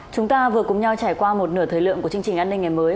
chúng ta vừa cùng nhau trải qua một nửa thời lượng của chương trình an ninh ngày mới